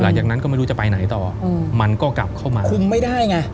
หลังจากนั้นก็ไม่รู้จะไปไหนต่อมันก็กลับเข้ามาคุมไม่ได้ไง